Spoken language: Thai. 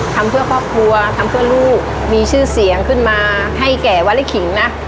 ทำเพื่อครอบครัวทำเพื่อลูกมีชื่อเสียงขึ้นมาให้แก่วลิขิงนะ